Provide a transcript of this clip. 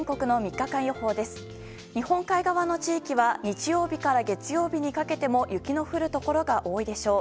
日本海側の地域は日曜日から月曜日にかけても雪の降るところが多いでしょう。